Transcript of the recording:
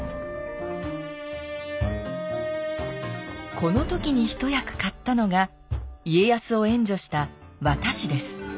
この時に一役買ったのが家康を援助した和田氏です。